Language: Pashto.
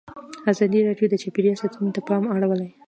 ازادي راډیو د چاپیریال ساتنه ته پام اړولی.